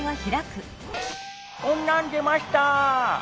こんなん出ました。